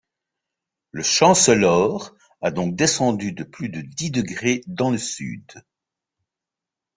Le Chancellor a donc descendu de plus de dix degrés dans le sud.